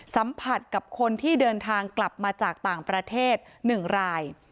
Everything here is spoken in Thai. สัมผัสกับคนที่เดินทางกลับมาจากต่างประเทศ๑ราย